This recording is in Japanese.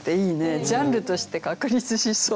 ジャンルとして確立しそう。